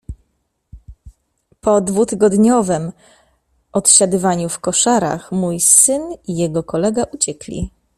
"Po dwutygodniowem odsiadywaniu w koszarach mój syn i jego kolega uciekli."